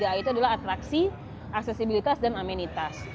tiga a itu adalah atraksi aksesibilitas dan amenitas